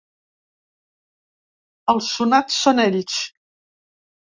Els sonats són ells.